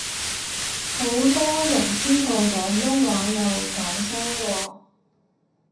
好多人知道廣東話有九聲喎